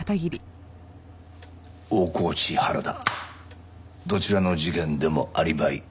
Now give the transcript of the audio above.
大河内原田どちらの事件でもアリバイありだ。